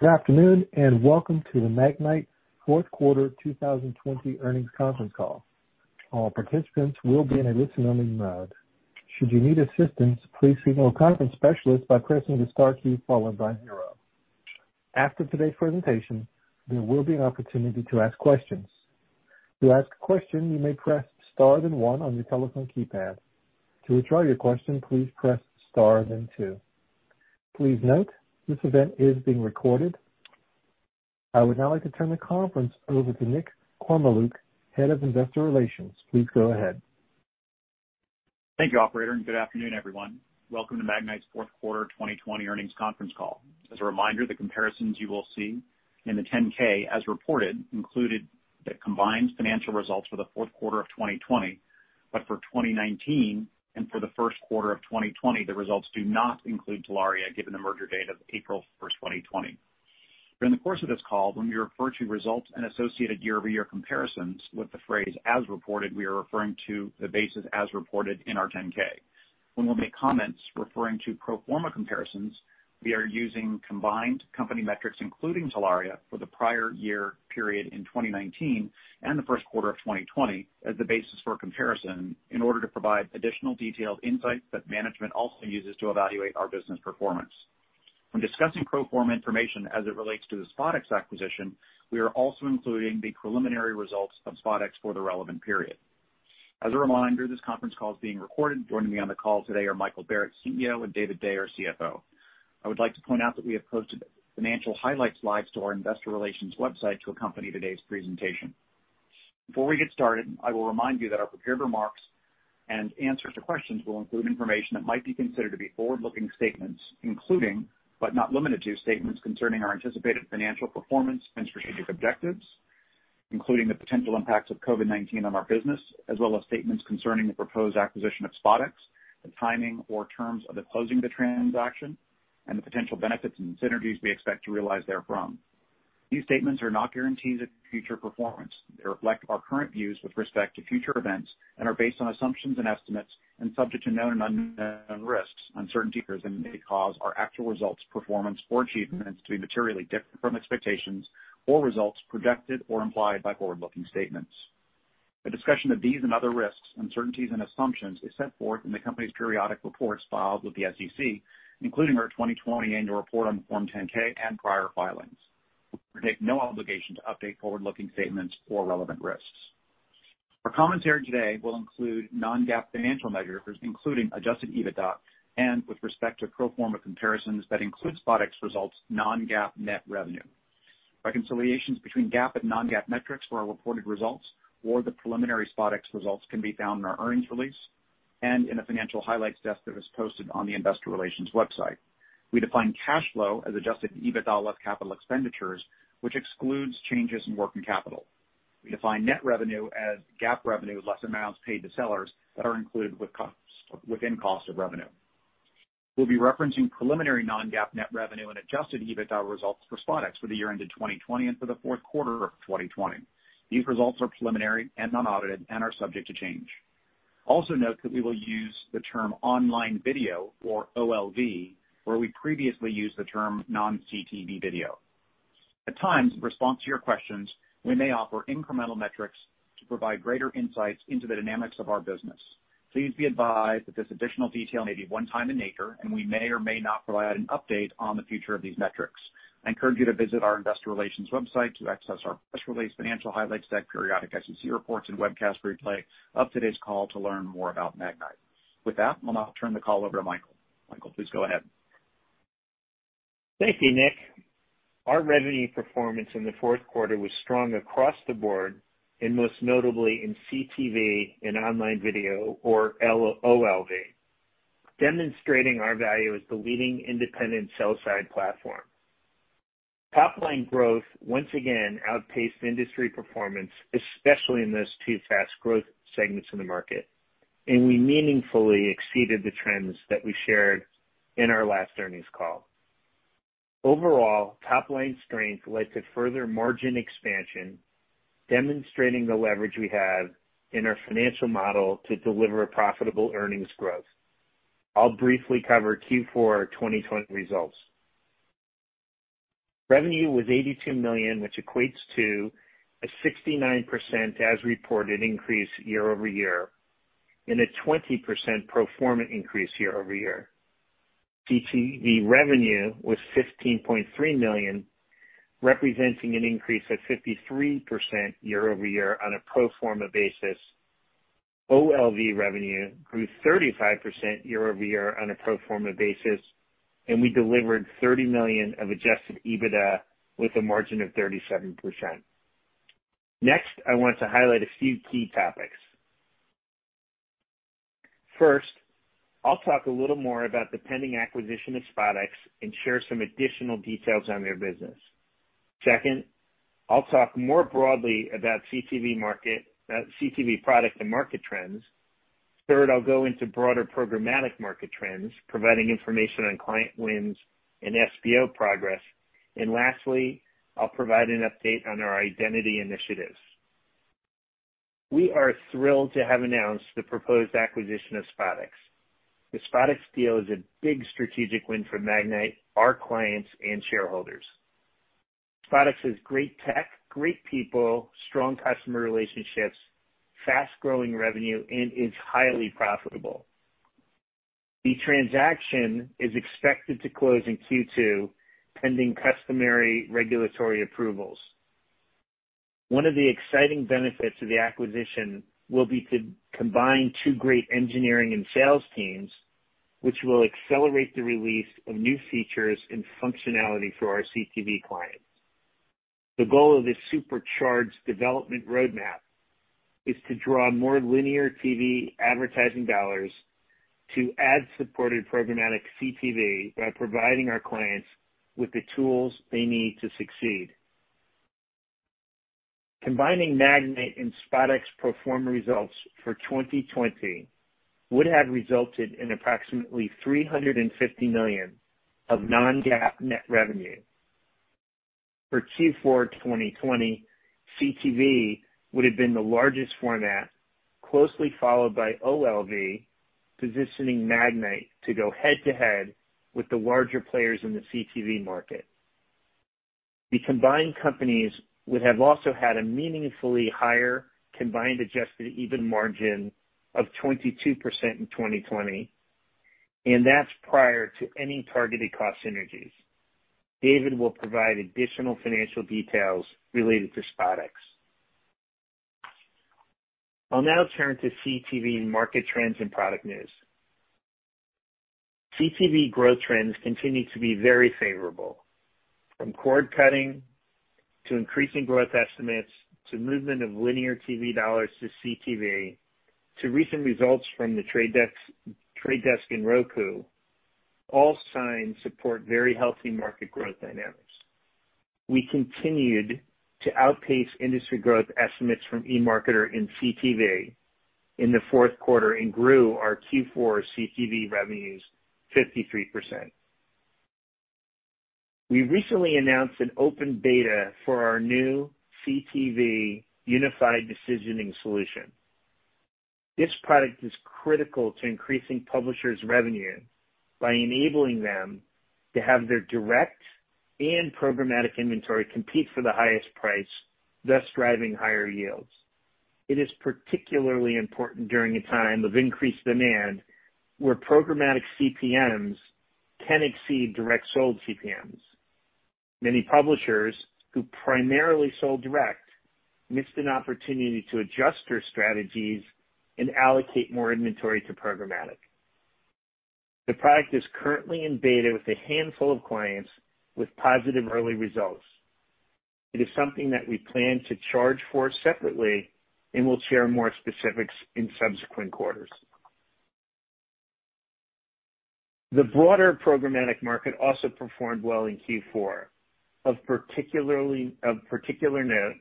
Good afternoon. Welcome to the Magnite fourth quarter 2020 earnings conference call. All participants will be in a listen-only mode. Should you need assistance, please signal a conference specialist by pressing the star key followed by zero. After today's presentation, there will be an opportunity to ask questions. To ask a question, you may press star then one on your telephone keypad. To withdraw your question, please press star then two. Please note, this event is being recorded. I would now like to turn the conference over to Nick Kormeluk, Head of Investor Relations. Please go ahead. Thank you, operator, and good afternoon, everyone. Welcome to Magnite's fourth quarter 2020 earnings conference call. As a reminder, the comparisons you will see in the 10-K as reported included the combined financial results for the fourth quarter of 2020. For 2019 and for the first quarter of 2020, the results do not include Telaria, given the merger date of April 1st, 2020. During the course of this call, when we refer to results and associated year-over-year comparisons with the phrase as reported, we are referring to the basis as reported in our 10-K. When we'll make comments referring to pro forma comparisons, we are using combined company metrics including Telaria for the prior year period in 2019 and the first quarter of 2020 as the basis for comparison in order to provide additional detailed insights that management also uses to evaluate our business performance. When discussing pro forma information as it relates to the SpotX acquisition, we are also including the preliminary results of SpotX for the relevant period. As a reminder, this conference call is being recorded. Joining me on the call today are Michael Barrett, CEO, and David Day, our CFO. I would like to point out that we have posted financial highlights live to our investor relations website to accompany today's presentation. Before we get started, I will remind you that our prepared remarks and answers to questions will include information that might be considered to be forward-looking statements, including, but not limited to, statements concerning our anticipated financial performance and strategic objectives, including the potential impacts of COVID-19 on our business, as well as statements concerning the proposed acquisition of SpotX, the timing or terms of the closing the transaction, and the potential benefits and synergies we expect to realize therefrom. These statements are not guarantees of future performance. They reflect our current views with respect to future events and are based on assumptions and estimates and subject to known and unknown risks, uncertainties that may cause our actual results, performance, or achievements to be materially different from expectations or results projected or implied by forward-looking statements. A discussion of these and other risks, uncertainties, and assumptions is set forth in the company's periodic reports filed with the SEC, including our 2020 annual report on Form 10-K and prior filings. We undertake no obligation to update forward-looking statements or relevant risks. Our commentary today will include non-GAAP financial measures, including adjusted EBITDA and, with respect to pro forma comparisons that include SpotX results, non-GAAP net revenue. Reconciliations between GAAP and non-GAAP metrics for our reported results or the preliminary SpotX results can be found in our earnings release and in a financial highlights deck that was posted on the investor relations website. We define cash flow as adjusted EBITDA less capital expenditures, which excludes changes in working capital. We define net revenue as GAAP revenue less amounts paid to sellers that are included within cost of revenue. We'll be referencing preliminary non-GAAP net revenue and adjusted EBITDA results for SpotX for the year ended 2020 and for the fourth quarter of 2020. These results are preliminary and non-audited and are subject to change. Also note that we will use the term online video or OLV, where we previously used the term non-CTV video. At times, in response to your questions, we may offer incremental metrics to provide greater insights into the dynamics of our business. Please be advised that this additional detail may be one-time in nature, and we may or may not provide an update on the future of these metrics. I encourage you to visit our investor relations website to access our press release, financial highlights deck, periodic SEC reports, and webcast replay of today's call to learn more about Magnite. With that, I'll now turn the call over to Michael. Michael, please go ahead. Thank you, Nick. Our revenue performance in the fourth quarter was strong across the board and most notably in CTV and online video or OLV, demonstrating our value as the leading independent sell-side platform. Top-line growth once again outpaced industry performance, especially in those two fast growth segments in the market, and we meaningfully exceeded the trends that we shared in our last earnings call. Overall, top-line strength led to further margin expansion, demonstrating the leverage we have in our financial model to deliver a profitable earnings growth. I'll briefly cover Q4 2020 results. Revenue was $82 million, which equates to a 69% as reported increase year-over-year and a 20% pro forma increase year-over-year. CTV revenue was $15.3 million, representing an increase of 53% year-over-year on a pro forma basis. OLV revenue grew 35% year-over-year on a pro forma basis, we delivered $30 million of adjusted EBITDA with a margin of 37%. Next, I want to highlight a few key topics. I'll talk a little more about the pending acquisition of SpotX and share some additional details on their business. I'll talk more broadly about CTV product and market trends. I'll go into broader programmatic market trends, providing information on client wins and SPO progress. Lastly, I'll provide an update on our identity initiatives. We are thrilled to have announced the proposed acquisition of SpotX. The SpotX deal is a big strategic win for Magnite, our clients and shareholders. SpotX has great tech, great people, strong customer relationships, fast-growing revenue, and is highly profitable. The transaction is expected to close in Q2, pending customary regulatory approvals. One of the exciting benefits of the acquisition will be to combine two great engineering and sales teams, which will accelerate the release of new features and functionality for our CTV clients. The goal of this supercharged development roadmap is to draw more linear TV advertising dollars to ad-supported programmatic CTV by providing our clients with the tools they need to succeed. Combining Magnite and SpotX pro forma results for 2020 would have resulted in approximately $350 million of non-GAAP net revenue. For Q4 2020, CTV would have been the largest format, closely followed by OLV, positioning Magnite to go head-to-head with the larger players in the CTV market. The combined companies would have also had a meaningfully higher combined adjusted EBITDA margin of 22% in 2020, and that's prior to any targeted cost synergies. David will provide additional financial details related to SpotX. I'll now turn to CTV market trends and product news. CTV growth trends continue to be very favorable, from cord cutting to increasing growth estimates, to movement of linear TV dollars to CTV, to recent results from The Trade Desk and Roku, all signs support very healthy market growth dynamics. We continued to outpace industry growth estimates from eMarketer in CTV in the fourth quarter and grew our Q4 CTV revenues 53%. We recently announced an open beta for our new CTV Unified Decisioning solution. This product is critical to increasing publishers' revenue by enabling them to have their direct and programmatic inventory compete for the highest price, thus driving higher yields. It is particularly important during a time of increased demand where programmatic CPMs can exceed direct sold CPMs. Many publishers who primarily sold direct missed an opportunity to adjust their strategies and allocate more inventory to programmatic. The product is currently in beta with a handful of clients with positive early results. It is something that we plan to charge for separately, and we'll share more specifics in subsequent quarters. The broader programmatic market also performed well in Q4. Of particular note,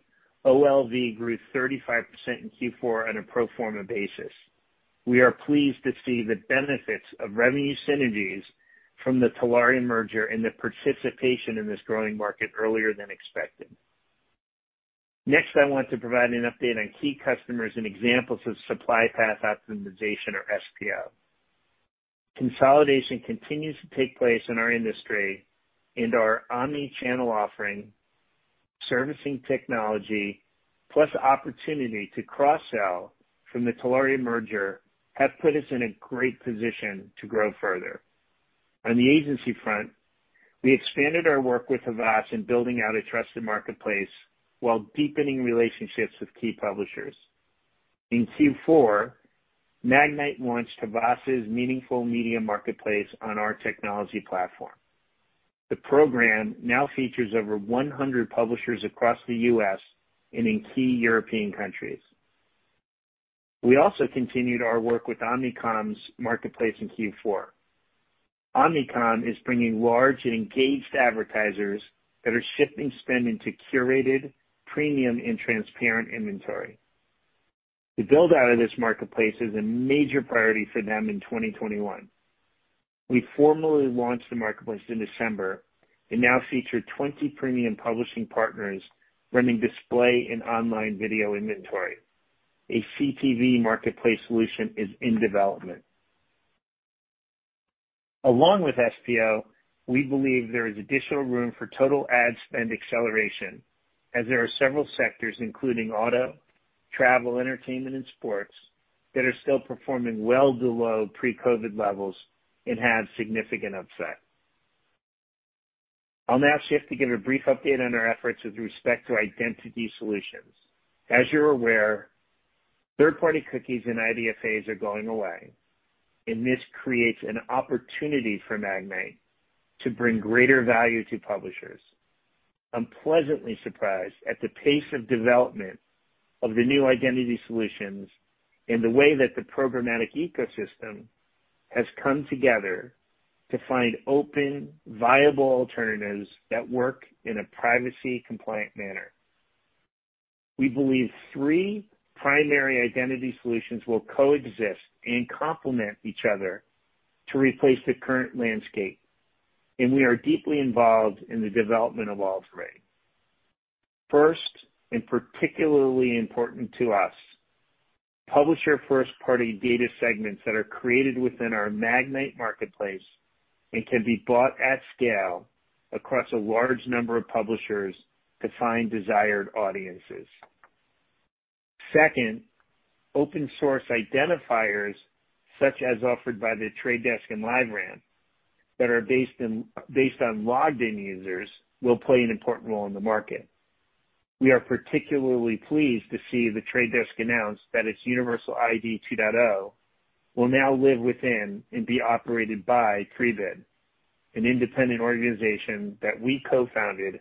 OLV grew 35% in Q4 on a pro forma basis. We are pleased to see the benefits of revenue synergies from the Telaria merger and the participation in this growing market earlier than expected. Next, I want to provide an update on key customers and examples of Supply Path Optimization or SPO. Consolidation continues to take place in our industry and our omni-channel offering, servicing technology, plus opportunity to cross-sell from the Telaria merger, have put us in a great position to grow further. On the agency front, we expanded our work with Havas in building out a trusted marketplace while deepening relationships with key publishers. In Q4, Magnite launched Havas' Meaningful Media Marketplace on our technology platform. The program now features over 100 publishers across the U.S. and in key European countries. We also continued our work with Omnicom's marketplace in Q4. Omnicom is bringing large and engaged advertisers that are shifting spend into curated, premium and transparent inventory. The build-out of this marketplace is a major priority for them in 2021. We formally launched the marketplace in December. It now features 20 premium publishing partners running display and online video inventory. A CTV marketplace solution is in development. Along with SPO, we believe there is additional room for total ad spend acceleration as there are several sectors, including auto, travel, entertainment, and sports, that are still performing well below pre-COVID levels and have significant upside. I'll now shift to give a brief update on our efforts with respect to identity solutions. As you're aware, third-party cookies and IDFAs are going away, and this creates an opportunity for Magnite to bring greater value to publishers. I'm pleasantly surprised at the pace of development of the new identity solutions and the way that the programmatic ecosystem has come together to find open, viable alternatives that work in a privacy-compliant manner. We believe three primary identity solutions will coexist and complement each other to replace the current landscape. We are deeply involved in the development of all three. First, and particularly important to us, publisher first-party data segments that are created within our Magnite marketplace and can be bought at scale across a large number of publishers to find desired audiences. Second, open source identifiers such as offered by The Trade Desk and LiveRamp that are based on logged in users will play an important role in the market. We are particularly pleased to see The Trade Desk announce that its Unified ID 2.0 will now live within and be operated by Prebid, an independent organization that we co-founded,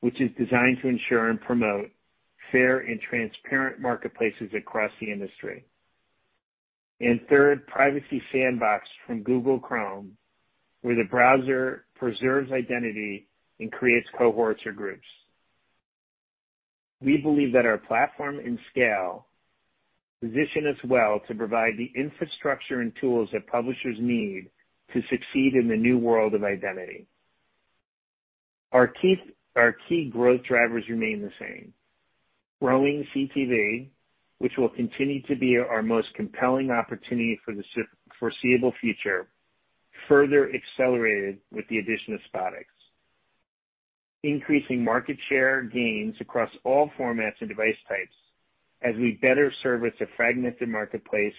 which is designed to ensure and promote fair and transparent marketplaces across the industry. Third, Privacy Sandbox from Google Chrome, where the browser preserves identity and creates cohorts or groups. We believe that our platform and scale position us well to provide the infrastructure and tools that publishers need to succeed in the new world of identity. Our key growth drivers remain the same. Growing CTV, which will continue to be our most compelling opportunity for the foreseeable future, further accelerated with the addition of SpotX. Increasing market share gains across all formats and device types as we better service a fragmented marketplace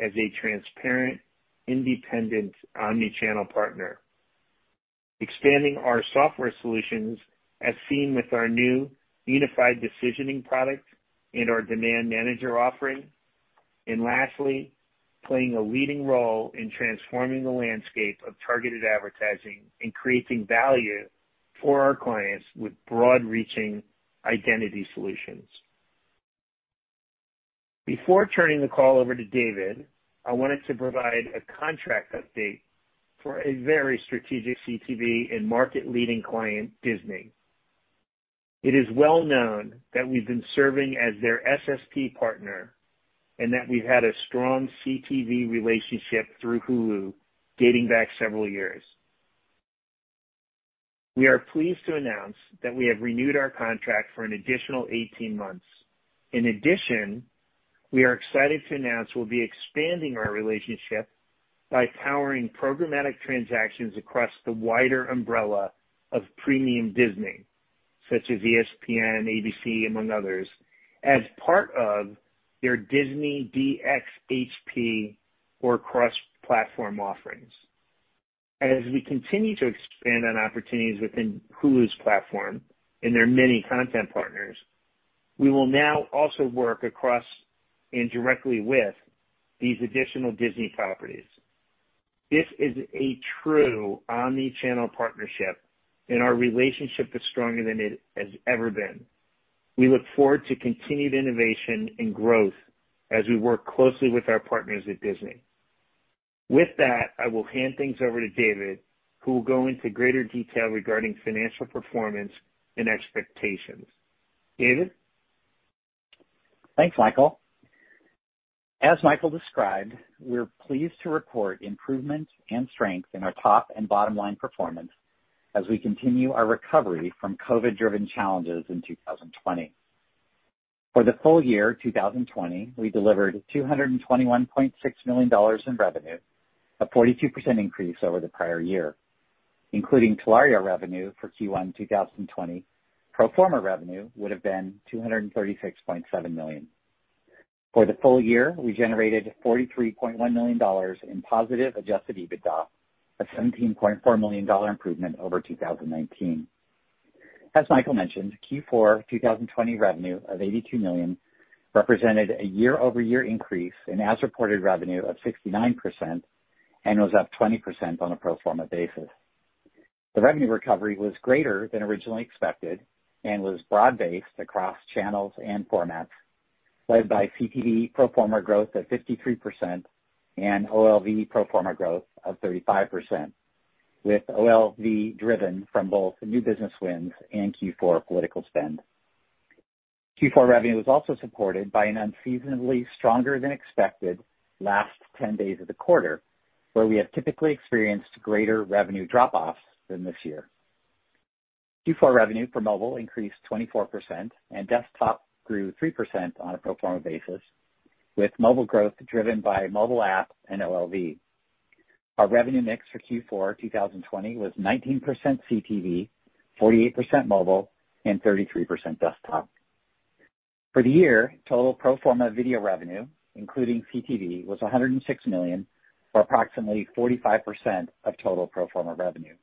as a transparent, independent omnichannel partner. Expanding our software solutions as seen with our new Unified Decisioning product and our Demand Manager offering. Lastly, playing a leading role in transforming the landscape of targeted advertising and creating value for our clients with broad-reaching identity solutions. Before turning the call over to David, I wanted to provide a contract update for a very strategic CTV and market-leading client, Disney. It is well known that we've been serving as their SSP partner and that we've had a strong CTV relationship through Hulu dating back several years. We are pleased to announce that we have renewed our contract for an additional 18 months. In addition, we are excited to announce we'll be expanding our relationship by powering programmatic transactions across the wider umbrella of premium Disney, such as ESPN, ABC, among others, as part of their Disney D|XP or cross-platform offerings. As we continue to expand on opportunities within Hulu's platform and their many content partners, we will now also work across and directly with these additional Disney properties. This is a true omni-channel partnership and our relationship is stronger than it has ever been. We look forward to continued innovation and growth as we work closely with our partners at Disney. With that, I will hand things over to David, who will go into greater detail regarding financial performance and expectations. David? Thanks, Michael. As Michael described, we're pleased to report improvements and strength in our top and bottom line performance as we continue our recovery from COVID-driven challenges in 2020. For the full year 2020, we delivered $221.6 million in revenue, a 42% increase over the prior year. Including Telaria revenue for Q1 2020, pro forma revenue would have been $236.7 million. For the full year, we generated $43.1 million in positive adjusted EBITDA, a $17.4 million improvement over 2019. As Michael mentioned, Q4 2020 revenue of $82 million represented a year-over-year increase in as-reported revenue of 69% and was up 20% on a pro forma basis. The revenue recovery was greater than originally expected and was broad-based across channels and formats, led by CTV pro forma growth at 53% and OLV pro forma growth of 35%, with OLV driven from both new business wins and Q4 political spend. Q4 revenue was also supported by an unseasonably stronger than expected last 10 days of the quarter, where we have typically experienced greater revenue drop-offs than this year. Q4 revenue for mobile increased 24% and desktop grew 3% on a pro forma basis, with mobile growth driven by mobile app and OLV. Our revenue mix for Q4 2020 was 19% CTV, 48% mobile, and 33% desktop. For the year, total pro forma video revenue, including CTV, was $106 million, or approximately 45% of total pro forma revenue.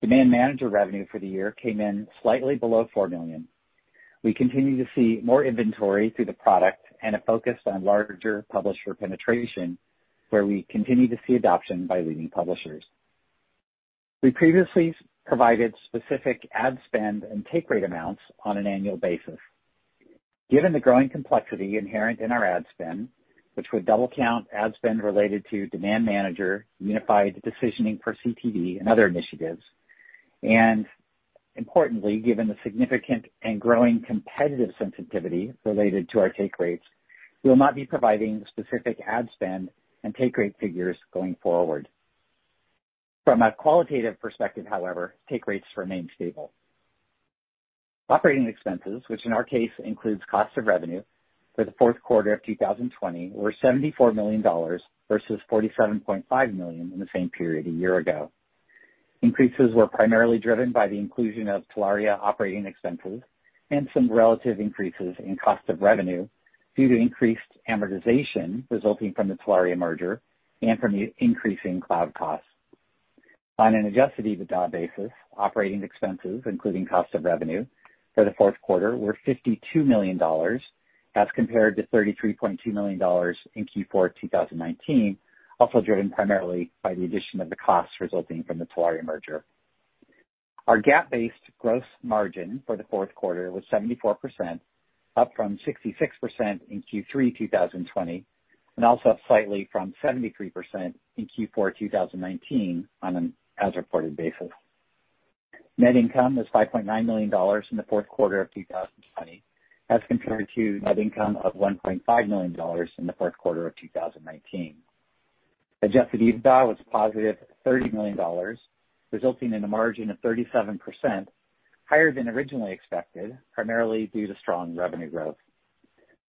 Demand Manager revenue for the year came in slightly below $4 million. We continue to see more inventory through the product and a focus on larger publisher penetration, where we continue to see adoption by leading publishers. We previously provided specific ad spend and take rate amounts on an annual basis. Given the growing complexity inherent in our ad spend, which would double count ad spend related to Demand Manager, Unified Decisioning for CTV and other initiatives. Importantly, given the significant and growing competitive sensitivity related to our take rates, we will not be providing specific ad spend and take rate figures going forward. From a qualitative perspective, however, take rates remain stable. Operating expenses, which in our case includes cost of revenue for the fourth quarter of 2020, were $74 million versus $47.5 million in the same period a year ago. Increases were primarily driven by the inclusion of Telaria operating expenses and some relative increases in cost of revenue due to increased amortization resulting from the Telaria merger and from the increasing cloud costs. On an adjusted EBITDA basis, operating expenses including cost of revenue for the fourth quarter, were $52 million as compared to $33.2 million in Q4 2019, also driven primarily by the addition of the costs resulting from the Telaria merger. Our GAAP-based gross margin for the fourth quarter was 74%, up from 66% in Q3 2020, and also up slightly from 73% in Q4 2019 on an as-reported basis. Net income was $5.9 million in the fourth quarter of 2020 as compared to net income of $1.5 million in the fourth quarter of 2019. Adjusted EBITDA was positive $30 million, resulting in a margin of 37%, higher than originally expected, primarily due to strong revenue growth.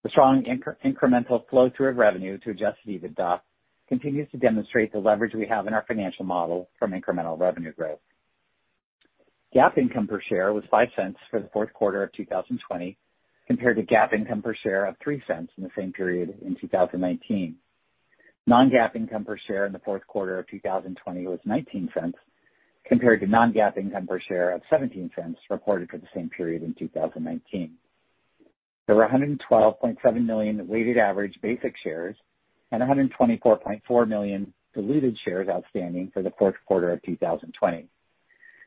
The strong incremental flow-through of revenue to adjusted EBITDA continues to demonstrate the leverage we have in our financial model from incremental revenue growth. GAAP income per share was $0.05 for the fourth quarter of 2020, compared to GAAP income per share of $0.03 in the same period in 2019. Non-GAAP income per share in the fourth quarter of 2020 was $0.19, compared to non-GAAP income per share of $0.17 reported for the same period in 2019. There were 112.7 million weighted average basic shares and 124.4 million diluted shares outstanding for the fourth quarter of 2020.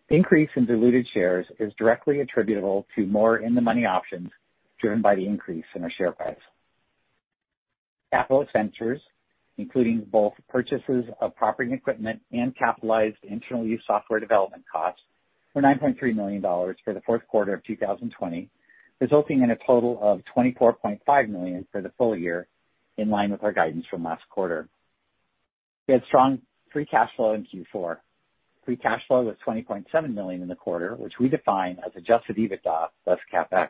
The increase in diluted shares is directly attributable to more in-the-money options driven by the increase in our share price. Capital expenditures, including both purchases of property and equipment and capitalized internal use software development costs, were $9.3 million for the fourth quarter of 2020, resulting in a total of $24.5 million for the full year, in line with our guidance from last quarter. We had strong free cash flow in Q4. Free cash flow was $20.7 million in the quarter, which we define as adjusted EBITDA plus CapEx.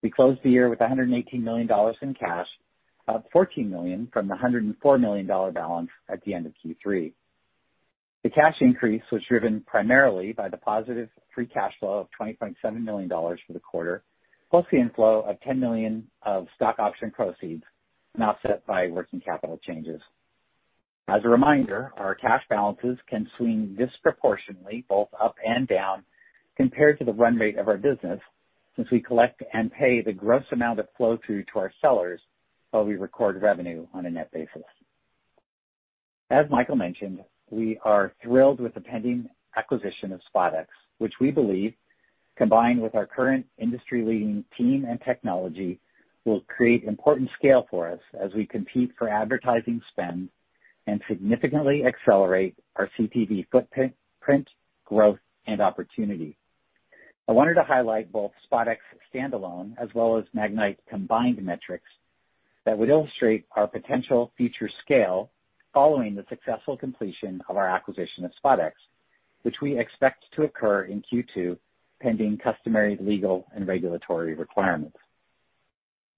We closed the year with $118 million in cash, up $14 million from the $104 million balance at the end of Q3. The cash increase was driven primarily by the positive free cash flow of $20.7 million for the quarter, plus the inflow of $10 million of stock option proceeds, and offset by working capital changes. As a reminder, our cash balances can swing disproportionately both up and down compared to the run rate of our business since we collect and pay the gross amount of flow-through to our sellers while we record revenue on a net basis. As Michael mentioned, we are thrilled with the pending acquisition of SpotX, which we believe, combined with our current industry-leading team and technology, will create important scale for us as we compete for advertising spend and significantly accelerate our CTV footprint, growth, and opportunity. I wanted to highlight both SpotX standalone as well as Magnite's combined metrics that would illustrate our potential future scale following the successful completion of our acquisition of SpotX, which we expect to occur in Q2, pending customary legal and regulatory requirements.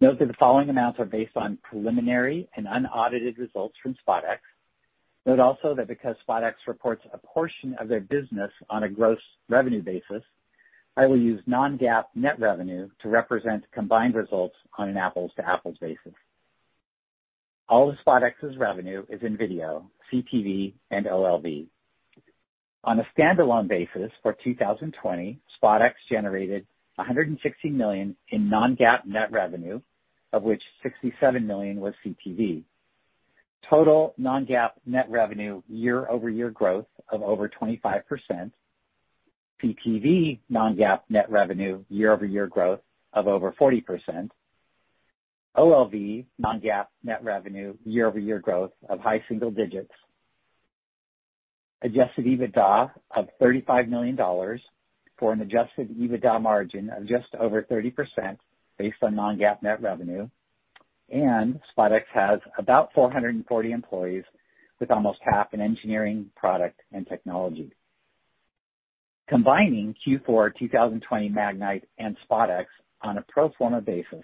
Note that the following amounts are based on preliminary and unaudited results from SpotX. Note also that because SpotX reports a portion of their business on a gross revenue basis, I will use non-GAAP net revenue to represent combined results on an apples-to-apples basis. All of SpotX's revenue is in video, CTV, and OLV. On a standalone basis for 2020, SpotX generated $160 million in non-GAAP net revenue, of which $67 million was CTV. Total non-GAAP net revenue year-over-year growth of over 25%, CTV non-GAAP net revenue year-over-year growth of over 40%, OLV non-GAAP net revenue year-over-year growth of high single digits, adjusted EBITDA of $35 million, for an adjusted EBITDA margin of just over 30% based on non-GAAP net revenue, and SpotX has about 440 employees with almost half in engineering, product, and technology. Combining Q4 2020 Magnite and SpotX on a pro forma basis,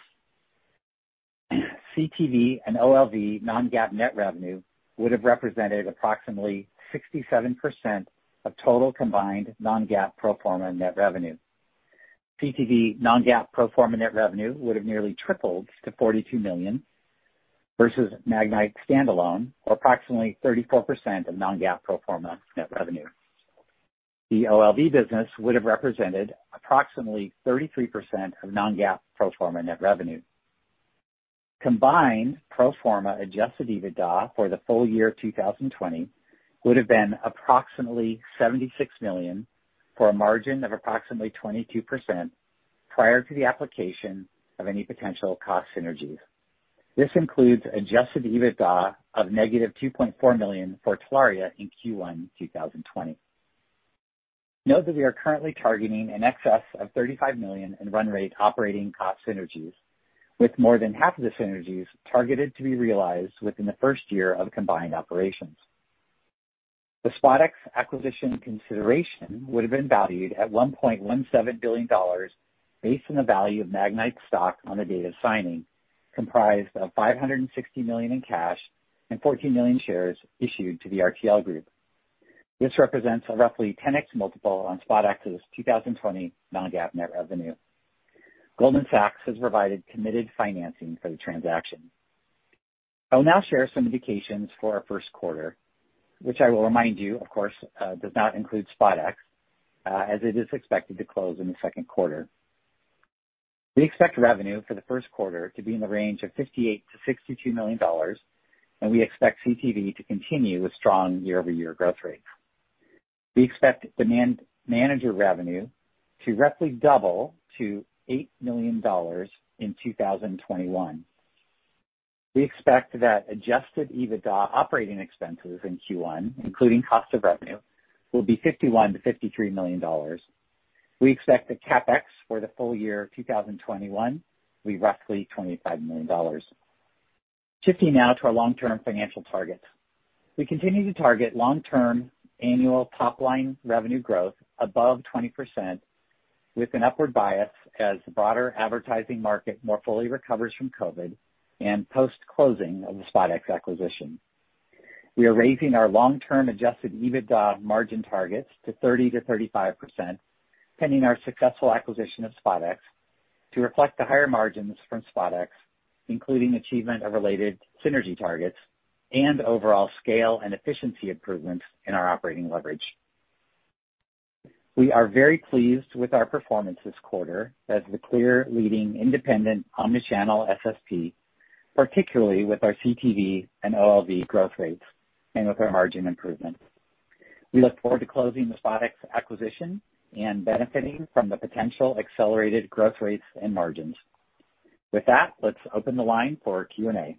CTV and OLV non-GAAP net revenue would have represented approximately 67% of total combined non-GAAP pro forma net revenue. CTV non-GAAP pro forma net revenue would have nearly tripled to $42 million versus Magnite standalone, or approximately 34% of non-GAAP pro forma net revenue. The OLV business would have represented approximately 33% of non-GAAP pro forma net revenue. Combined pro forma adjusted EBITDA for the full year 2020 would have been approximately $76 million, for a margin of approximately 22% prior to the application of any potential cost synergies. This includes adjusted EBITDA of negative $2.4 million for Telaria in Q1 2020. Note that we are currently targeting an excess of $35 million in run rate operating cost synergies, with more than half of the synergies targeted to be realized within the first year of combined operations. The SpotX acquisition consideration would've been valued at $1.17 billion based on the value of Magnite stock on the date of signing, comprised of $560 million in cash and 14 million shares issued to the RTL Group. This represents a roughly 10X multiple on SpotX's 2020 non-GAAP net revenue. Goldman Sachs has provided committed financing for the transaction. I will now share some indications for our first quarter, which I will remind you, of course, does not include SpotX, as it is expected to close in the second quarter. We expect revenue for the first quarter to be in the range of $58 million-$62 million. We expect CTV to continue a strong year-over-year growth rate. We expect Demand Manager revenue to roughly double to $8 million in 2021. We expect that adjusted EBITDA operating expenses in Q1, including cost of revenue, will be $51 million-$53 million. We expect the CapEx for the full year 2021 to be roughly $25 million. Shifting now to our long-term financial targets. We continue to target long-term annual top-line revenue growth above 20%, with an upward bias as the broader advertising market more fully recovers from COVID and post-closing of the SpotX acquisition. We are raising our long-term adjusted EBITDA margin targets to 30%-35%, pending our successful acquisition of SpotX, to reflect the higher margins from SpotX, including achievement of related synergy targets and overall scale and efficiency improvements in our operating leverage. We are very pleased with our performance this quarter as the clear leading independent omni-channel SSP, particularly with our CTV and OLV growth rates and with our margin improvements. We look forward to closing the SpotX acquisition and benefiting from the potential accelerated growth rates and margins. With that, let's open the line for Q&A.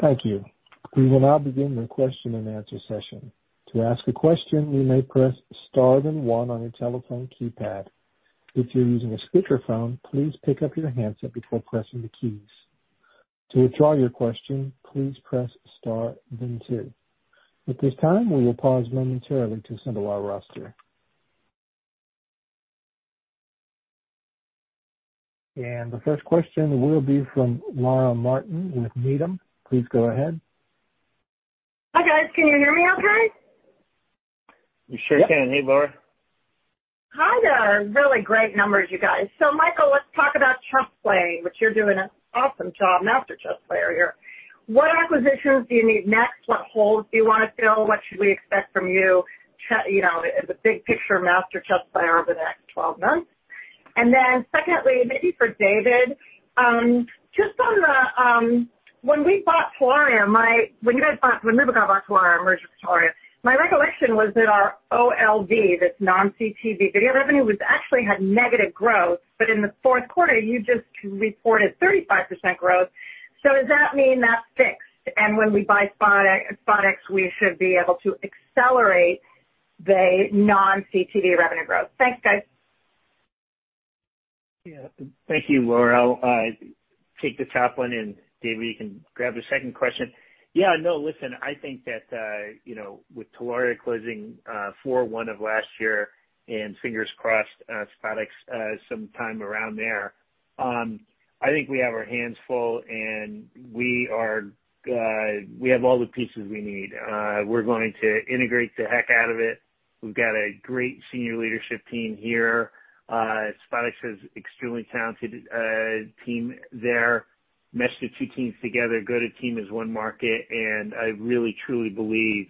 Thank you. We will now begin the question-and-answer session. To ask a question, you may press star then one on your telephone keypad. If you're using a speakerphone, please pick up your handset before pressing the keys. To withdraw your question, please press star then two. At this time, we will pause momentarily to assemble our roster. The first question will be from Laura Martin with Needham. Please go ahead. Hi, guys. Can you hear me okay? We sure can. Hey, Laura. Hi there. Really great numbers, you guys. Michael, let's talk about chess playing, which you're doing an awesome job, master chess player here. What acquisitions do you need next? What holes do you want to fill? What should we expect from you, the big picture master chess player over the next 12 months? Then secondly, maybe for David, when we bought Telaria, when you guys bought When Liberty bought Telaria, merged with Telaria, my recollection was that our OLV, this non-CTV video revenue, actually had negative growth. In the fourth quarter, you just reported 35% growth. Does that mean that's fixed, and when we buy SpotX, we should be able to accelerate the non-CTV revenue growth? Thanks, guys. Thank you, Laura. I'll take the top one, and David, you can grab the second question. No, listen, I think that with Telaria closing Q4 of last year, and fingers crossed, SpotX sometime around there, I think we have our hands full, and we have all the pieces we need. We're going to integrate the heck out of it. We've got a great senior leadership team here. SpotX has extremely talented team there. Mesh the two teams together, go to team as one market, and I really truly believe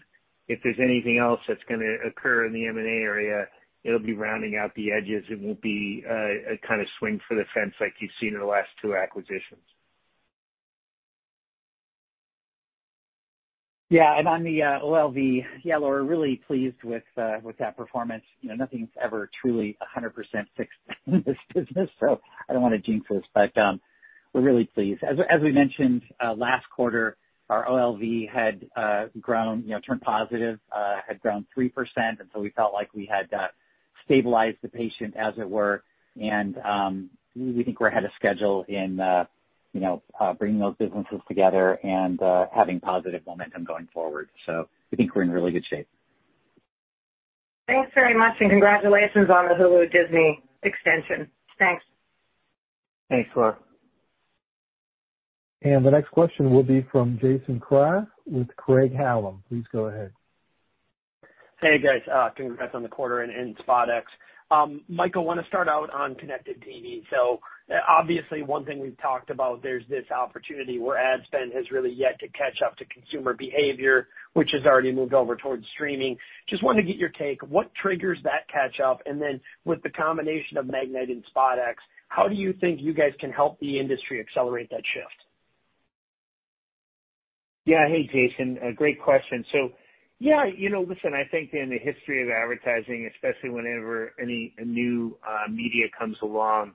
if there's anything else that's gonna occur in the M&A area, it'll be rounding out the edges. It won't be a kind of swing for the fence like you've seen in the last two acquisitions. On the OLV, yeah, Laura, really pleased with that performance. Nothing's ever truly 100% fixed in this business, so I don't want to jinx us. We're really pleased. As we mentioned, last quarter, our OLV had grown, turned positive, had grown 3%, we felt like we had stabilized the patient, as it were. We think we're ahead of schedule in bringing those businesses together and having positive momentum going forward. We think we're in really good shape. Thanks very much. Congratulations on the Hulu-Disney extension. Thanks. Thanks, Laura. The next question will be from Jason Kreyer with Craig-Hallum. Please go ahead. Hey, guys. Congrats on the quarter and SpotX. Michael, want to start out on connected TV. Obviously, one thing we've talked about, there's this opportunity where ad spend has really yet to catch up to consumer behavior, which has already moved over towards streaming. Just wanted to get your take. What triggers that catch-up? With the combination of Magnite and SpotX, how do you think you guys can help the industry accelerate that shift? Yeah. Hey, Jason. A great question. Yeah, listen, I think in the history of advertising, especially whenever any new media comes along,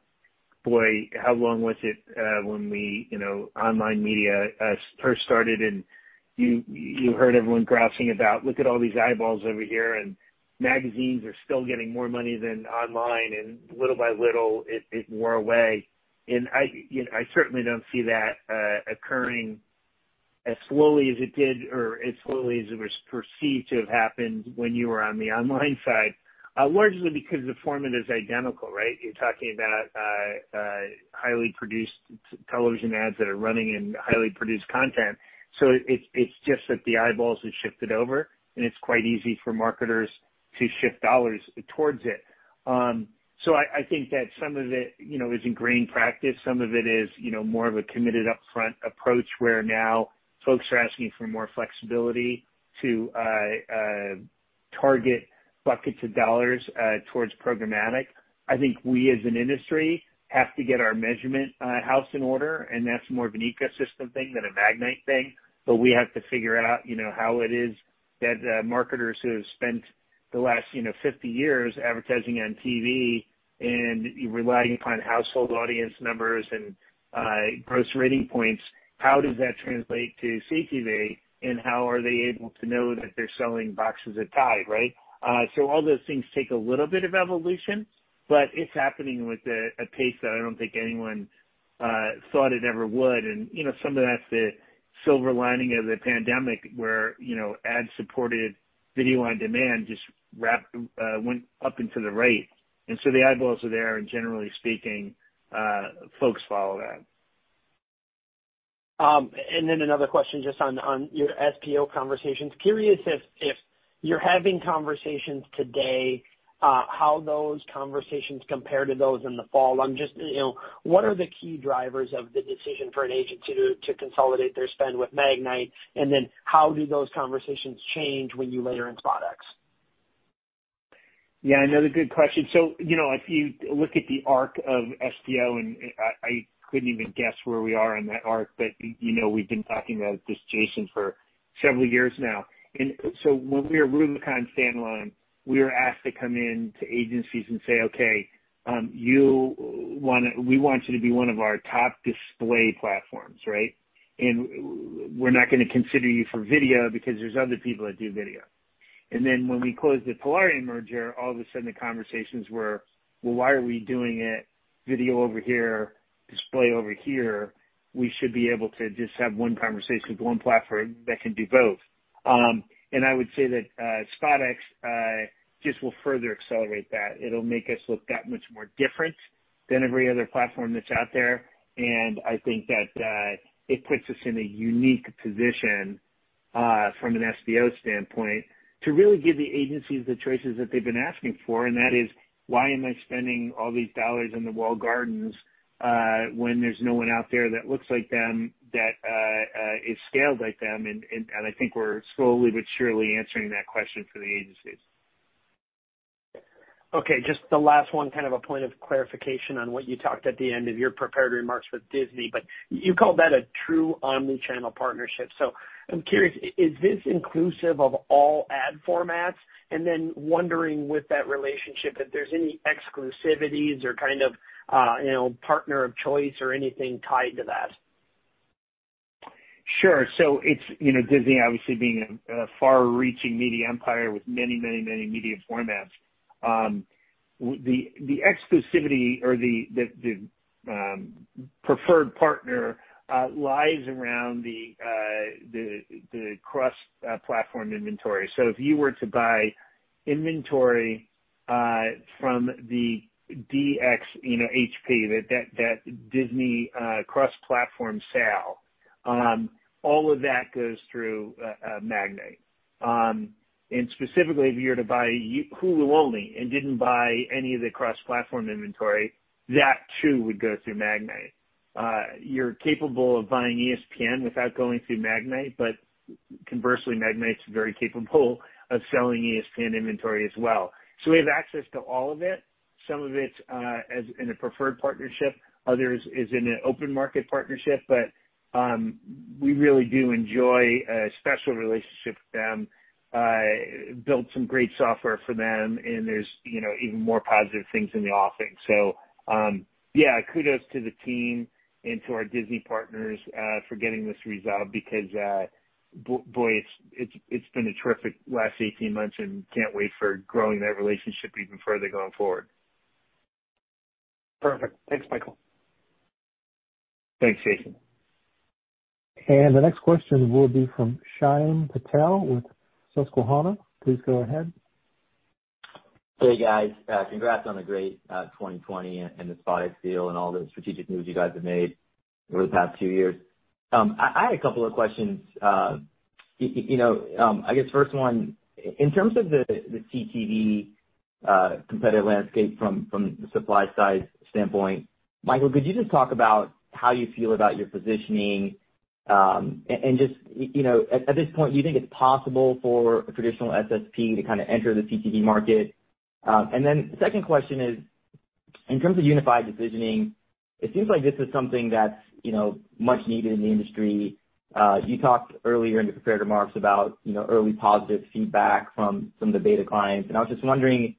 boy, how long was it when online media first started, and you heard everyone grousing about, "Look at all these eyeballs over here," and magazines are still getting more money than online, and little by little, it wore away. I certainly don't see that occurring as slowly as it did or as slowly as it was perceived to have happened when you were on the online side, largely because the format is identical, right? You're talking about highly produced television ads that are running in highly produced content. It's just that the eyeballs have shifted over, and it's quite easy for marketers to shift dollars towards it. I think that some of it is ingrained practice. Some of it is more of a committed upfront approach, where now folks are asking for more flexibility to target buckets of dollars towards programmatic. I think we, as an industry, have to get our measurement house in order, and that's more of an ecosystem thing than a Magnite thing. We have to figure out how it is that marketers who have spent the last 50 years advertising on TV and relying upon household audience numbers and gross rating points, how does that translate to CTV, and how are they able to know that they're selling boxes of Tide, right? All those things take a little bit of evolution, but it's happening with a pace that I don't think anyone thought it ever would. Some of that's the silver lining of the pandemic, where ad-supported video on demand just went up into the right. The eyeballs are there, and generally speaking, folks follow that. Another question just on your SPO conversations. Curious if you're having conversations today, how those conversations compare to those in the fall. What are the key drivers of the decision for an agent to consolidate their spend with Magnite? How do those conversations change when you layer in SpotX? Yeah, another good question. If you look at the arc of SPO, and I couldn't even guess where we are in that arc, but you know we've been talking about this, Jason, for several years now. When we were Rubicon standalone, we were asked to come in to agencies and say, "Okay, we want you to be one of our top display platforms," right? We're not going to consider you for video because there's other people that do video. When we closed the Telaria merger, all of a sudden, the conversations were, "Well, why are we doing it video over here, display over here? We should be able to just have one conversation with one platform that can do both." I would say that SpotX just will further accelerate that. It'll make us look that much more different than every other platform that's out there. I think that it puts us in a unique position from an SPO standpoint to really give the agencies the choices that they've been asking for, and that is, why am I spending all these dollars in the walled gardens, when there's no one out there that looks like them, that is scaled like them? I think we're slowly but surely answering that question for the agencies. Okay, just the last one, kind of a point of clarification on what you talked at the end of your prepared remarks with Disney, you called that a true omni-channel partnership. I'm curious, is this inclusive of all ad formats? Wondering with that relationship, if there's any exclusivities or kind of partner of choice or anything tied to that? Sure. It's Disney obviously being a far-reaching media empire with many, many, many media formats. The exclusivity or the preferred partner lies around the cross-platform inventory. If you were to buy inventory from the D|XP, that Disney cross-platform sale, all of that goes through Magnite. Specifically, if you were to buy Hulu only and didn't buy any of the cross-platform inventory, that too would go through Magnite. You're capable of buying ESPN without going through Magnite, but conversely, Magnite's very capable of selling ESPN inventory as well. We have access to all of it. Some of it in a preferred partnership, others is in an open market partnership, but we really do enjoy a special relationship with them, built some great software for them, and there's even more positive things in the offing. Yeah, kudos to the team and to our Disney partners for getting this resolved because, boy, it's been a terrific last 18 months and can't wait for growing that relationship even further going forward. Perfect. Thanks, Michael. Thanks, Jason. The next question will be from Shyam Patil with Susquehanna. Please go ahead. Hey, guys. Congrats on a great 2020 and the SpotX deal and all the strategic moves you guys have made over the past two years. I had a couple of questions. I guess first one, in terms of the CTV competitive landscape from the supply side standpoint, Michael, could you just talk about how you feel about your positioning? At this point, do you think it's possible for a traditional SSP to kind of enter the CTV market? The second question is in terms of Unified Decisioning, it seems like this is something that's much needed in the industry. You talked earlier in the prepared remarks about early positive feedback from some of the beta clients, and I was just wondering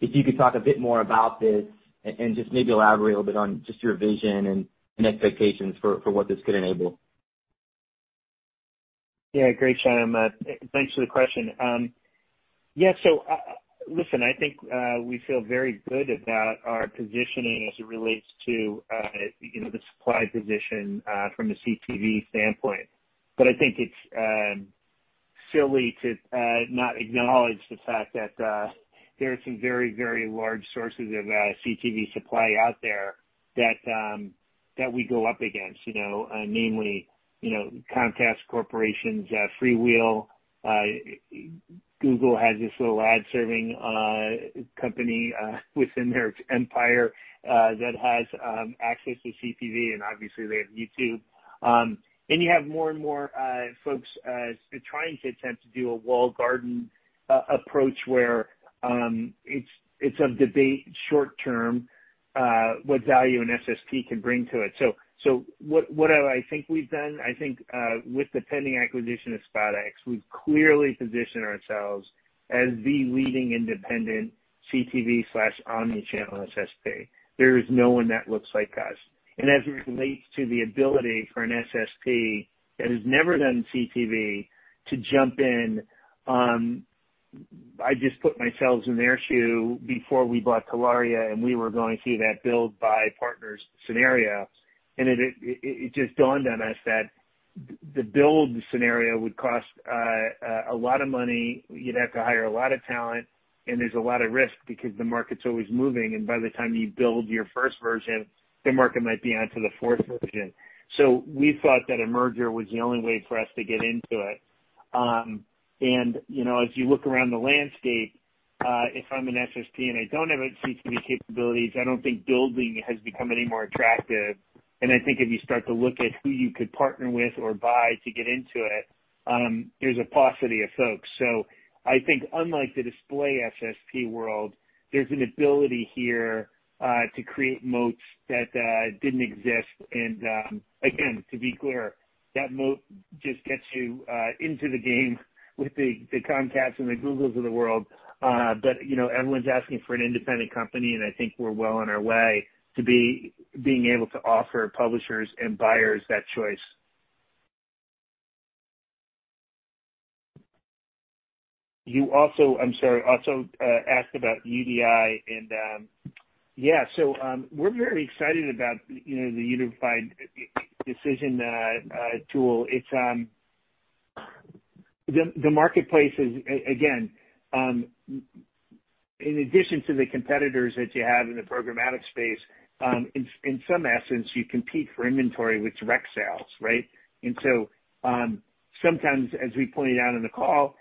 if you could talk a bit more about this and just maybe elaborate a little bit on just your vision and expectations for what this could enable. Great, Shyam. Thanks for the question. Listen, I think we feel very good about our positioning as it relates to the supply position from a CTV standpoint. I think it's silly to not acknowledge the fact that there are some very large sources of CTV supply out there that we go up against. Namely, Comcast Corporation's FreeWheel. Google has this little ad-serving company within their empire that has access to CTV, and obviously they have YouTube. You have more and more folks trying to attempt to do a walled garden approach where it's a debate short-term what value an SSP can bring to it. What I think we've done, I think with the pending acquisition of SpotX, we've clearly positioned ourselves as the leading independent CTV/omnichannel SSP. There is no one that looks like us. As it relates to the ability for an SSP that has never done CTV to jump in, I just put myself in their shoe before we bought Telaria, and we were going through that build-buy partners scenario, and it just dawned on us that the build scenario would cost a lot of money. You'd have to hire a lot of talent, and there's a lot of risk because the market's always moving, and by the time you build your first version, the market might be onto the fourth version. We thought that a merger was the only way for us to get into it. As you look around the landscape, if I'm an SSP and I don't have CTV capabilities, I don't think building has become any more attractive. I think if you start to look at who you could partner with or buy to get into it, there's a paucity of folks. I think unlike the display SSP world, there's an ability here to create moats that didn't exist. Again, to be clear, that moat just gets you into the game with the Comcasts and the Googles of the world. Everyone's asking for an independent company, and I think we're well on our way to being able to offer publishers and buyers that choice. You also, I'm sorry, also asked about UDI. Yeah. We're very excited about the Unified Decisioning tool. The marketplace is, again, in addition to the competitors that you have in the programmatic space, in some essence, you compete for inventory with direct sales, right? Sometimes, as we pointed out in the call,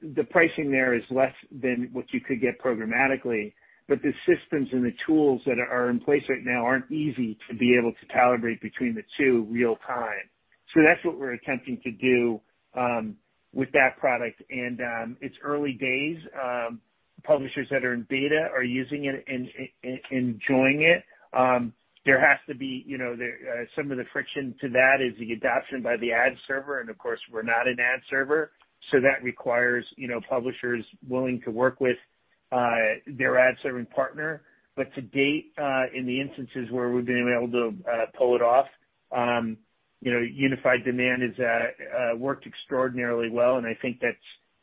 the pricing there is less than what you could get programmatically, but the systems and the tools that are in place right now aren't easy to be able to calibrate between the two real time. That's what we're attempting to do with that product. It's early days. Publishers that are in beta are using it, enjoying it. Some of the friction to that is the adoption by the ad server, and of course, we're not an ad server, so that requires publishers willing to work with their ad-serving partner. To date, in the instances where we've been able to pull it off, unified demand has worked extraordinarily well, and I think that's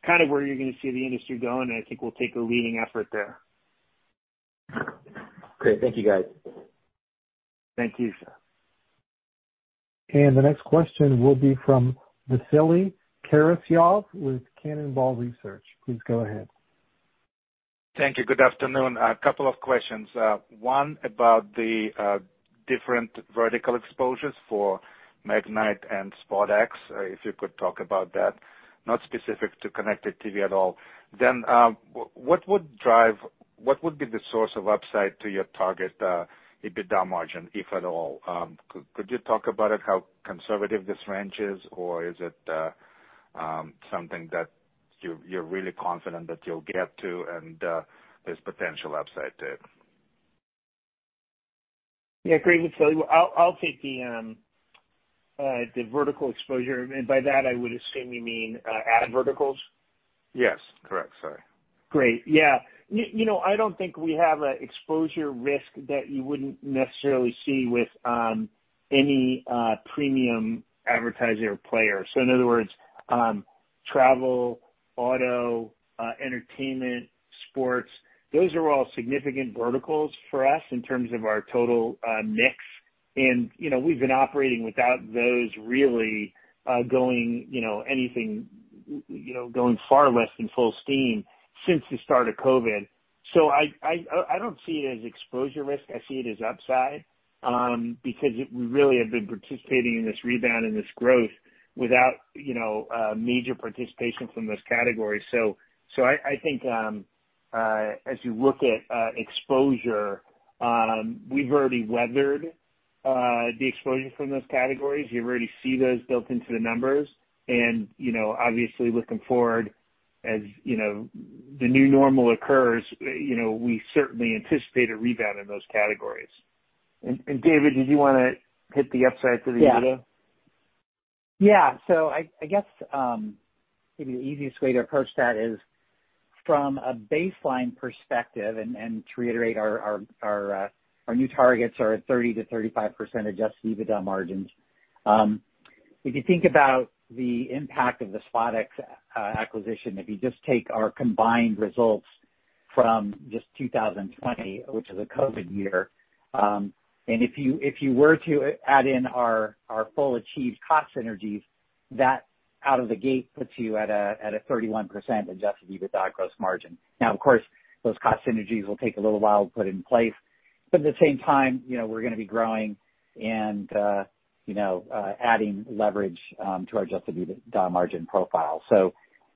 kind of where you're going to see the industry going, and I think we'll take a leading effort there. Great. Thank you, guys. Thank you, Shyam. The next question will be from Vasily Karasyov with Cannonball Research. Please go ahead. Thank you. Good afternoon. A couple of questions. One about the different vertical exposures for Magnite and SpotX, if you could talk about that, not specific to connected TV at all. What would be the source of upside to your target EBITDA margin, if at all? Could you talk about it, how conservative this range is? Or is it something that you're really confident that you'll get to and there's potential upside to it? Yeah, great, Vasily. I'll take the vertical exposure, and by that I would assume you mean ad verticals. Yes. Correct. Sorry. Great. Yeah. I don't think we have an exposure risk that you wouldn't necessarily see with any premium advertiser player. In other words, travel, auto, entertainment, sports, those are all significant verticals for us in terms of our total mix. We've been operating without those really going far less than full steam since the start of COVID. I don't see it as exposure risk. I see it as upside, because we really have been participating in this rebound and this growth without major participation from those categories. I think as you look at exposure, we've already weathered the exposure from those categories, you already see those built into the numbers. Obviously looking forward, as the new normal occurs, we certainly anticipate a rebound in those categories. David, did you want to hit the upside to the EBITDA? Yeah. I guess, maybe the easiest way to approach that is from a baseline perspective, and to reiterate our new targets are at 30%-35% adjusted EBITDA margins. If you think about the impact of the SpotX acquisition, if you just take our combined results from just 2020, which is a COVID year, and if you were to add in our full achieved cost synergies, that out of the gate puts you at a 31% adjusted EBITDA gross margin. Now, of course, those cost synergies will take a little while to put in place, but at the same time, we're going to be growing and adding leverage to our adjusted EBITDA margin profile.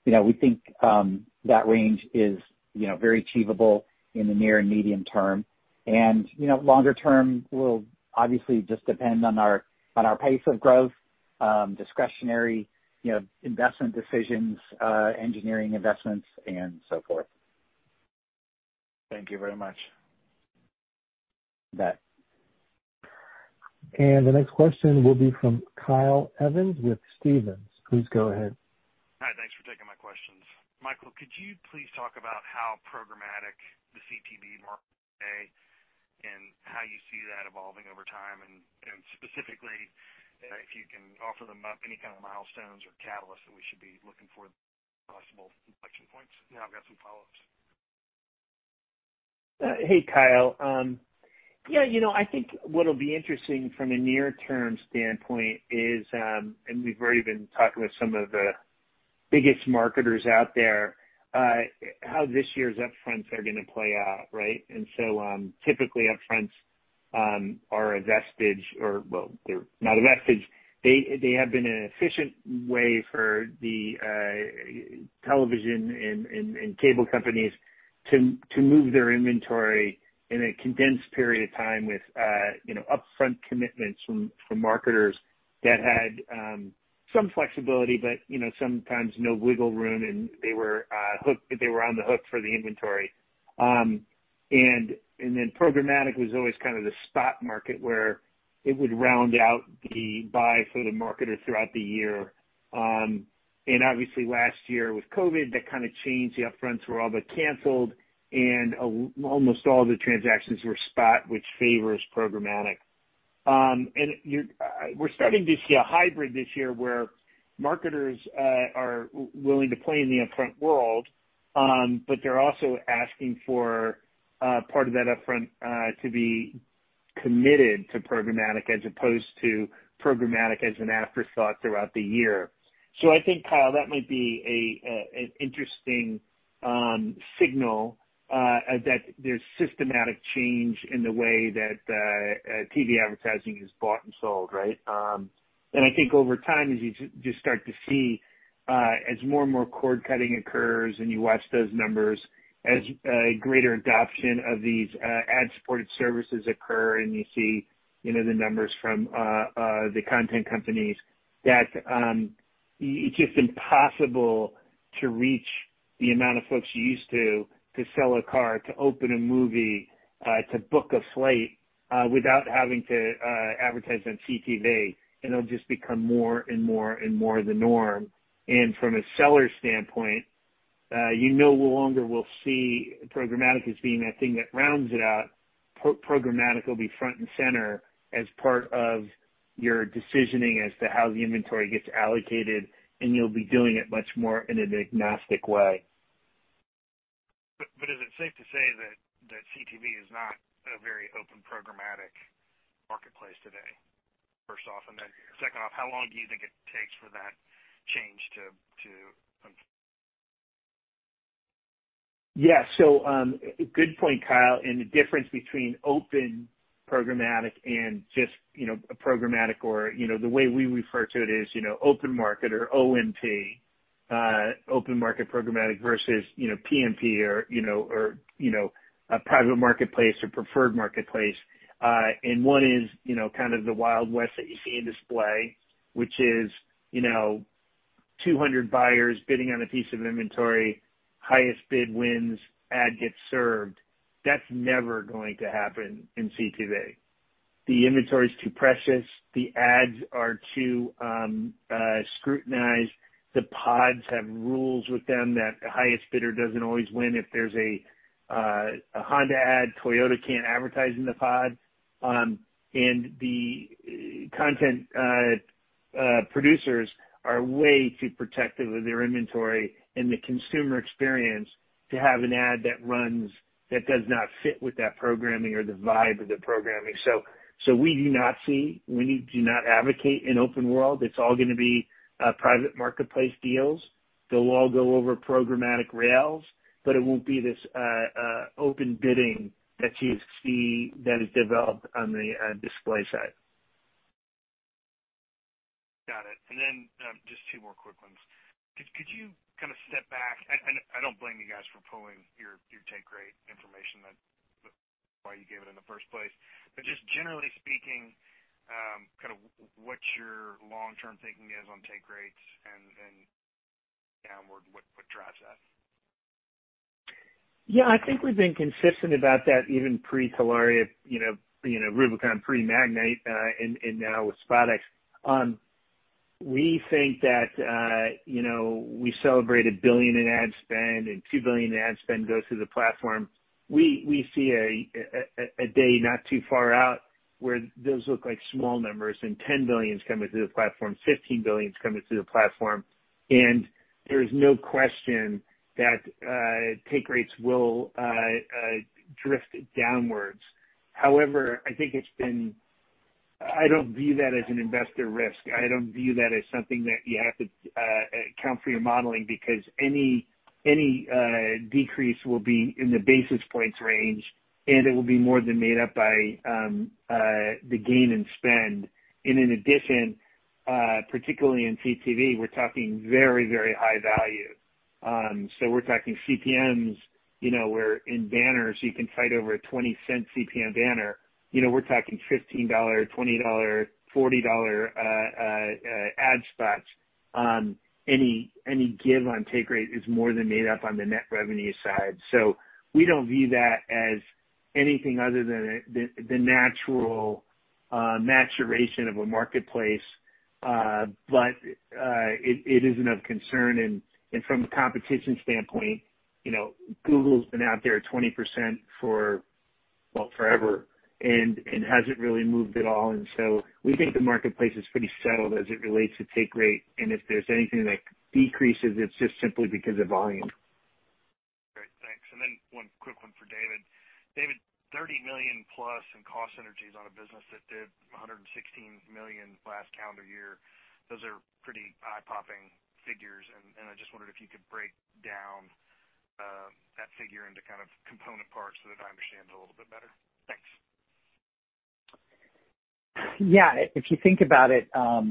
We think that range is very achievable in the near and medium term. Longer term will obviously just depend on our pace of growth, discretionary investment decisions, engineering investments, and so forth. Thank you very much. You bet. The next question will be from Kyle Evans with Stephens. Please go ahead. Hi. Thanks for taking my questions. Michael, could you please talk about how programmatic the CTV market today and how you see that evolving over time? Specifically, if you can offer them up any kind of milestones or catalysts that we should be looking for possible inflection points. I've got some follow-ups. Hey, Kyle. Yeah, I think what'll be interesting from a near-term standpoint is, and we've already been talking with some of the biggest marketers out there, how this year's upfronts are gonna play out, right? Typically, upfronts are a vestige or, well, they're not a vestige. They have been an efficient way for the television and cable companies to move their inventory in a condensed period of time with upfront commitments from marketers that had some flexibility but sometimes no wiggle room, and they were on the hook for the inventory. Programmatic was always kind of the spot market where it would round out the buy for the marketers throughout the year. Obviously last year with COVID, that kind of changed. The upfronts were all but canceled, and almost all the transactions were spot, which favors programmatic. We're starting to see a hybrid this year where marketers are willing to play in the upfront world, but they're also asking for part of that upfront to be committed to programmatic as opposed to programmatic as an afterthought throughout the year. I think, Kyle, that might be an interesting signal that there's systematic change in the way that TV advertising is bought and sold, right? I think over time, as you just start to see as more and more cord-cutting occurs and you watch those numbers, as greater adoption of these ad-supported services occur, and you see the numbers from the content companies, that it's just impossible to reach the amount of folks you used to sell a car, to open a movie, to book a slate without having to advertise on CTV. It'll just become more and more the norm. From a seller standpoint, you no longer will see programmatic as being that thing that rounds it out. Programmatic will be front and center as part of your decisioning as to how the inventory gets allocated, and you'll be doing it much more in an agnostic way. Is it safe to say that CTV is not a very open programmatic marketplace today, first off, and then second off, how long do you think it takes for that change to come? Good point, Kyle, the difference between open programmatic and just a programmatic or the way we refer to it is open market or OMP, open market programmatic versus PMP or a private marketplace or preferred marketplace. One is kind of the Wild West that you see in display, which is 200 buyers bidding on a piece of inventory, highest bid wins, ad gets served. That's never going to happen in CTV. The inventory's too precious. The ads are too scrutinized. The pods have rules with them that the highest bidder doesn't always win. If there's a Honda ad, Toyota can't advertise in the pod. The content producers are way too protective of their inventory and the consumer experience to have an ad that runs that does not fit with that programming or the vibe of the programming. We do not advocate an open world. It's all gonna be private marketplace deals. They'll all go over programmatic rails, but it won't be this open bidding that you see that is developed on the display side. Got it. Just two more quick ones. Could you kind of step back? I don't blame you guys for pulling your take rate information. That's why you gave it in the first place. Just generally speaking, kind of what your long-term thinking is on take rates and downward, what drives that? Yeah, I think we've been consistent about that even pre-Telaria, Rubicon, pre-Magnite, and now with SpotX. We think that we celebrate $1 billion in ad spend and $2 billion in ad spend goes through the platform. We see a day not too far out where those look like small numbers and $10 billion is coming through the platform, $15 billion is coming through the platform, and there's no question that take rates will drift downwards. However, I don't view that as an investor risk. I don't view that as something that you have to account for your modeling because any decrease will be in the basis points range, and it will be more than made up by the gain in spend. In addition, particularly in CTV, we're talking very, very high value. We're talking CPMs, where in banners you can fight over a $0.20 CPM banner. We're talking $15, $20, $40 ad spots. Any give on take rate is more than made up on the net revenue side. We don't view that as anything other than the natural maturation of a marketplace. It is of concern. From a competition standpoint, Google's been out there at 20% for, well, forever and hasn't really moved at all. We think the marketplace is pretty settled as it relates to take rate. If there's anything that decreases, it's just simply because of volume. Great, thanks. One quick one for David. David, $30 million plus in cost synergies on a business that did $116 million last calendar year. Those are pretty eye-popping figures, and I just wondered if you could break down that figure into kind of component parts so that I understand it a little bit better. Thanks. If you think about it, I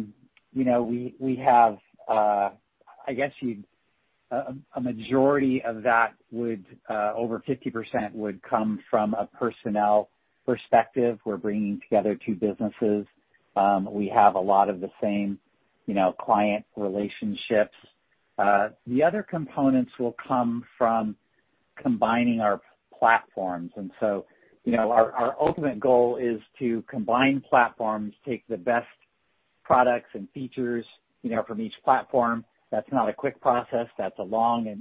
guess a majority of that, over 50%, would come from a personnel perspective. We're bringing together two businesses. We have a lot of the same client relationships. The other components will come from combining our platforms. Our ultimate goal is to combine platforms, take the best products and features from each platform. That's not a quick process. That's a longer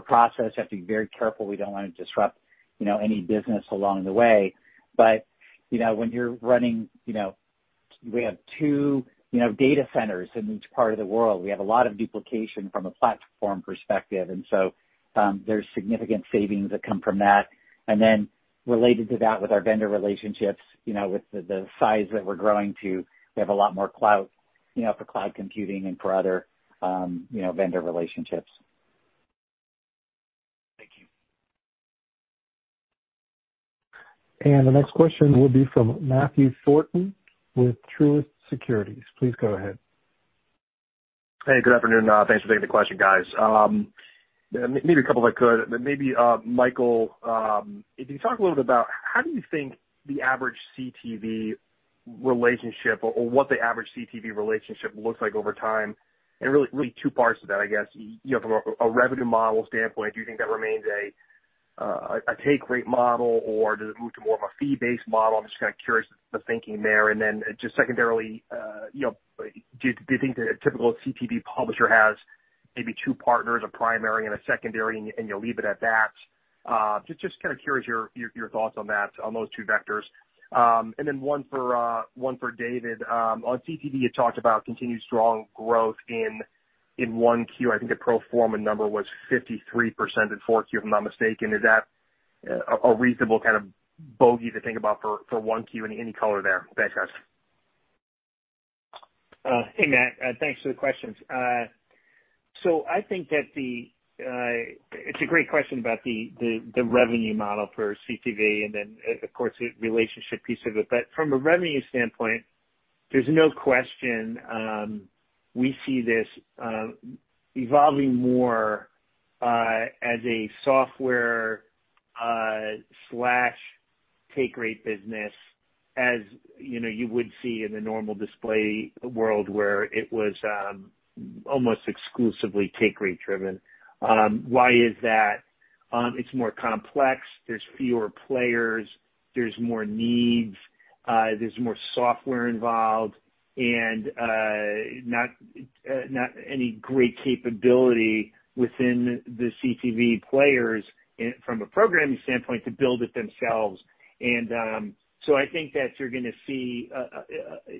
process. You have to be very careful. We don't want to disrupt any business along the way. When you're running, we have two data centers in each part of the world. We have a lot of duplication from a platform perspective. There's significant savings that come from that. Related to that, with our vendor relationships with the size that we're growing to, we have a lot more cloud for cloud computing and for other vendor relationships. Thank you. The next question will be from Matthew Thornton with Truist Securities. Please go ahead. Hey, good afternoon. Thanks for taking the question, guys. Maybe a couple if I could. Maybe, Michael, if you talk a little bit about how do you think the average CTV relationship or what the average CTV relationship looks like over time? Really two parts to that, I guess. From a revenue model standpoint, do you think that remains a take rate model, or does it move to more of a fee-based model? I'm just kind of curious the thinking there. Just secondarily, do you think the typical CTV publisher has maybe two partners, a primary and a secondary, and you'll leave it at that? Just kind of curious your thoughts on that, on those two vectors. One for David. On CTV, you talked about continued strong growth in 1Q. I think the pro forma number was 53% in 4Q, if I'm not mistaken. Is that a reasonable kind of bogey to think about for 1Q in any color there? Thanks, guys. Hey, Matt. Thanks for the questions. I think that it's a great question about the revenue model for CTV and then of course, the relationship piece of it. From a revenue standpoint, there's no question we see this evolving more, as a software/take rate business, as you would see in the normal display world where it was almost exclusively take rate driven. Why is that? It's more complex. There's fewer players, there's more needs, there's more software involved, and not any great capability within the CTV players from a programming standpoint to build it themselves. I think that you're going to see,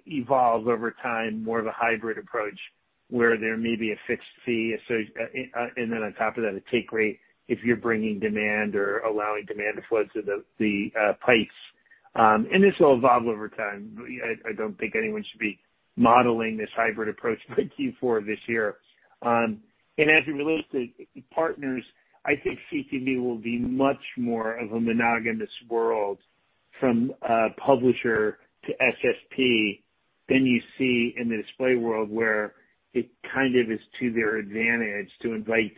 evolve over time, more of a hybrid approach where there may be a fixed fee, and then on top of that, a take rate if you're bringing demand or allowing demand to flow to the pipes. This will evolve over time. I don't think anyone should be modeling this hybrid approach for Q4 this year. As it relates to partners, I think CTV will be much more of a monogamous world from a publisher to SSP, than you see in the display world where it kind of is to their advantage to invite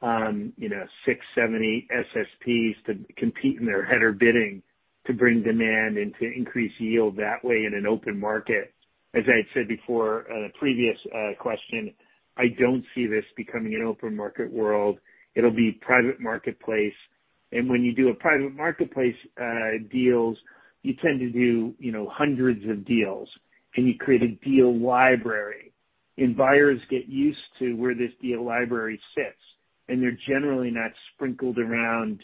670 SSPs to compete in their header bidding to bring demand and to increase yield that way in an open market. As I had said before on a previous question, I don't see this becoming an open market world. It'll be private marketplace. When you do a private marketplace deals, you tend to do hundreds of deals and you create a deal library and buyers get used to where this deal library sits. They're generally not sprinkled around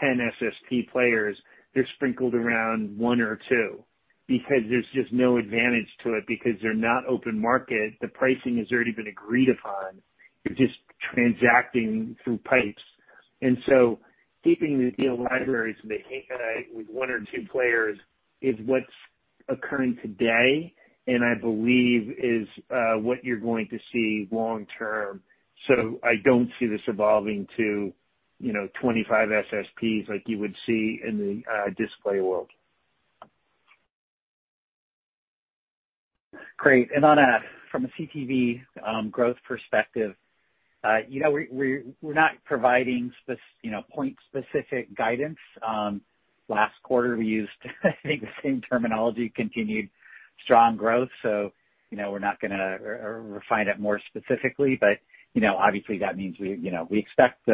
10 SSP players. They're sprinkled around one or two because there's just no advantage to it because they're not open market. The pricing has already been agreed upon. You're just transacting through pipes. Keeping the deal libraries with one or two players is what's occurring today, and I believe is what you're going to see long term. I don't see this evolving to 25 SSPs like you would see in the display world. Great. From a CTV growth perspective, we're not providing point specific guidance. Last quarter we used I think the same terminology, continued strong growth. We're not going to refine it more specifically, but obviously that means we expect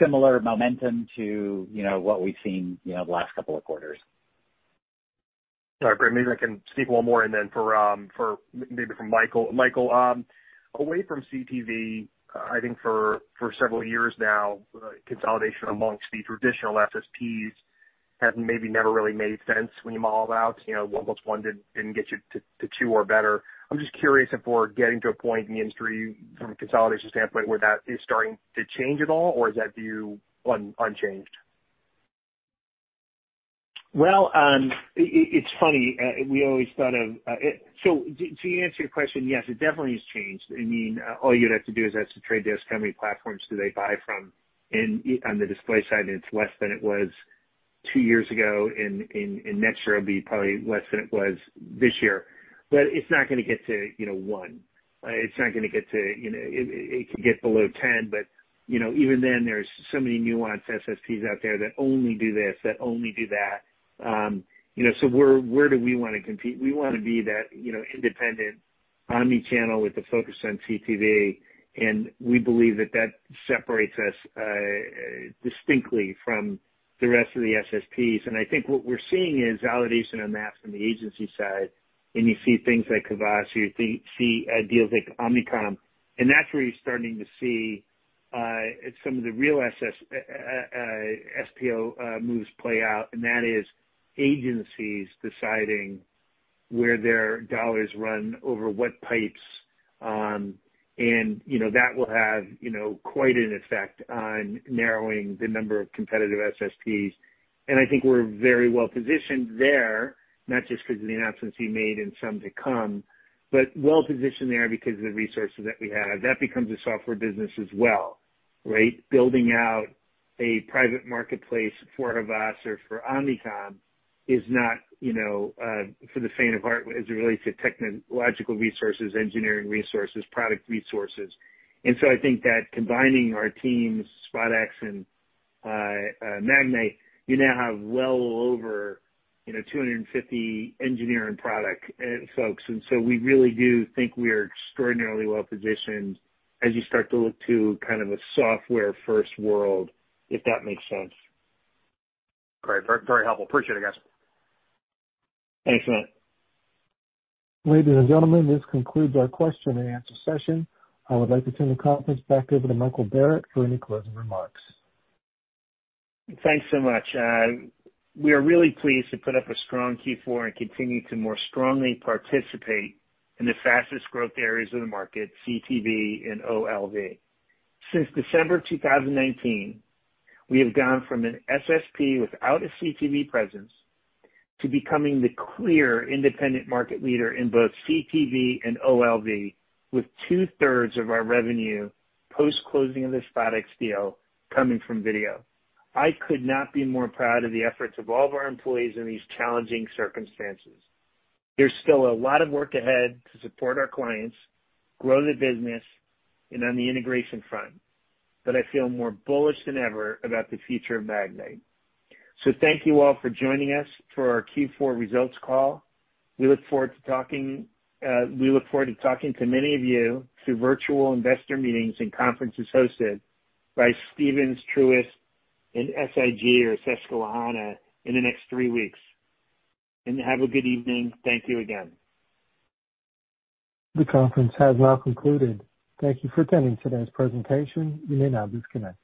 similar momentum to what we've seen the last couple of quarters. Sorry, but maybe I can sneak one more and then maybe for Michael. Michael, away from CTV, I think for several years now, consolidation amongst the traditional SSPs has maybe never really made sense when you mull about. One plus one didn't get you to two or better. I'm just curious if we're getting to a point in the industry from a consolidation standpoint where that is starting to change at all, or is that view unchanged? Well, it's funny. To answer your question, yes, it definitely has changed. All you'd have to do is ask The Trade Desk how many platforms do they buy from on the display side, and it's less than it was two years ago, and next year will be probably less than it was this year. It's not going to get to one. It could get below 10, but even then, there's so many nuanced SSPs out there that only do this, that only do that. Where do we want to compete? We want to be that independent omni-channel with a focus on CTV, and we believe that that separates us distinctly from the rest of the SSPs. I think what we're seeing is validation of that from the agency side. You see things like Havas, you see deals like Omnicom, that's where you're starting to see some of the real SPO moves play out. That is agencies deciding where their dollars run over what pipes. That will have quite an effect on narrowing the number of competitive SSPs. I think we're very well positioned there, not just because of the announcements we made and some to come, but well positioned there because of the resources that we have. That becomes a software business as well, right? Building out a private marketplace for Havas or for Omnicom is not for the faint of heart as it relates to technological resources, engineering resources, product resources. I think that combining our teams, SpotX and Magnite, you now have well over 250 engineering product folks. We really do think we are extraordinarily well positioned as you start to look to kind of a software first world, if that makes sense. Great. Very helpful. Appreciate it, guys. Thanks, Matt. Ladies and gentlemen, this concludes our question and answer session. I would like to turn the conference back over to Michael Barrett for any closing remarks. Thanks so much. We are really pleased to put up a strong Q4 and continue to more strongly participate in the fastest growth areas of the market, CTV and OLV. Since December 2019, we have gone from an SSP without a CTV presence to becoming the clear independent market leader in both CTV and OLV with two-thirds of our revenue post-closing of the SpotX deal coming from video. I could not be more proud of the efforts of all of our employees in these challenging circumstances. There's still a lot of work ahead to support our clients, grow the business, and on the integration front. I feel more bullish than ever about the future of Magnite. Thank you all for joining us for our Q4 results call. We look forward to talking to many of you through virtual investor meetings and conferences hosted by Stephens, Truist, and SIG or Susquehanna in the next three weeks. Have a good evening. Thank you again. The conference has now concluded. Thank you for attending today's presentation. You may now disconnect.